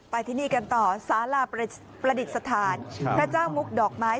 ที่นี่กันต่อสาราประดิษฐานพระเจ้ามุกดอกไม้